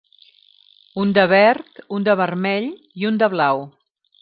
Un de verd, un de vermell i un de blau.